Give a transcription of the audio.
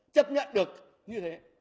chấp nhận được như thế